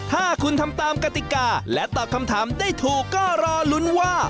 ถ้าคุณทำตามกติกาและตอบคำถามได้ถูกก็รอลุ้นว่า